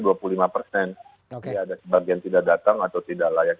jadi ada sebagian tidak datang atau tidak layak